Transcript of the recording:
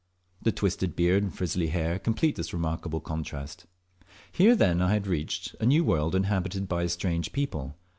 The twisted beard and frizzly hair complete this remarkable contrast. Hero then I had reached a new world, inhabited by a strange people.